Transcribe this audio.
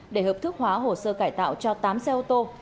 để hợp thức hóa hồ sơ cải tạo cho tám xe ô tô